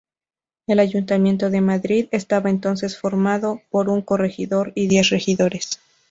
El Ayuntamiento de Madrid estaba entonces formado por un Corregidor y diez Regidores.